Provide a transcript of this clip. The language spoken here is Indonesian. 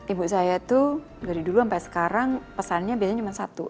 ibu saya itu dari dulu sampai sekarang pesannya biasanya cuma satu